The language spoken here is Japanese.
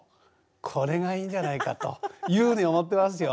これがいいんじゃないかというふうに思ってますよ。